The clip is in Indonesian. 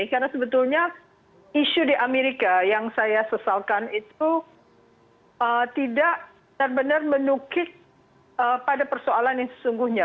karena sebetulnya isu di amerika yang saya sesalkan itu tidak benar benar menukik pada persoalan yang sesungguhnya